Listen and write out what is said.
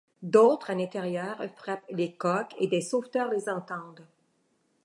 D'autres à l'intérieur frappent les coques et des sauveteurs les entendent.